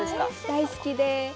大好きで。